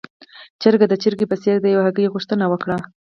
چرګ د چرګې په څېر د يوې هګۍ غوښتنه وکړه.